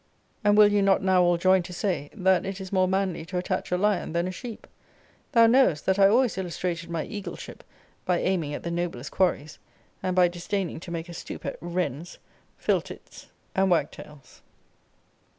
And will you not now all join to say, that it is more manly to attach a lion than a sheep? Thou knowest, that I always illustrated my eagleship, by aiming at the noblest quarries; and by disdaining to make a stoop at wrens, phyl tits,* and wag tails.